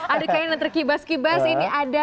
ada kain yang terkibas kibas ini ada mbak yuni sarah